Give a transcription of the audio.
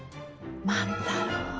万太郎。